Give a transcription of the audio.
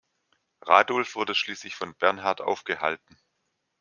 Radulf wurde schließlich von Bernhard aufgehalten.